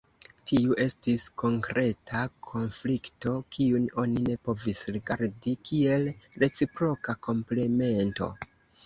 Tiu estis konkreta konflikto, kiun oni ne povis rigardi kiel reciproka komplemento.